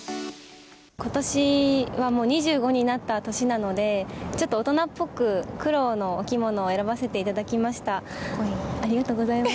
ことしはもう２５になった年なので、ちょっと大人っぽく、黒のお着物を選ばせていただきまありがとうございます。